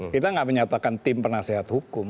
kita nggak menyatakan tim penasehat hukum